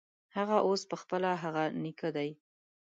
هغه اوس پخپله هغه نیکه دی.